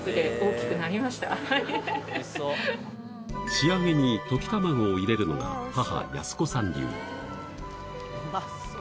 仕上げに溶き卵を入れるのが母泰子さん流うまそう！